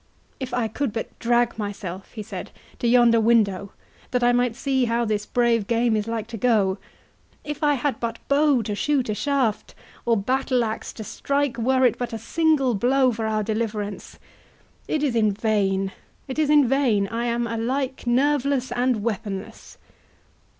"If I could but drag myself," he said, "to yonder window, that I might see how this brave game is like to go—If I had but bow to shoot a shaft, or battle axe to strike were it but a single blow for our deliverance!—It is in vain—it is in vain—I am alike nerveless and weaponless!"